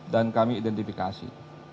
dan kami identifikasi